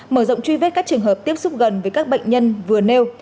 mở rộng truy vết các trường hợp tiếp xúc gần với các bệnh nhân vừa nêu